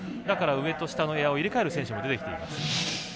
だから上と下とエアを入れ替える選手も出てきています。